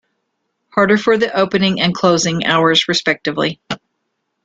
Harder for the opening and closing hours respectively.